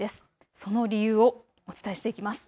その理由をお伝えしていきます。